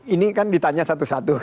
ini kan ditanya satu satu